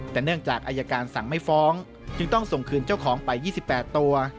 แต่เนื่องจากอายการสั่งไม่ฟ้องจึงต้องส่งคืนเจ้าของไป๒๘ตัว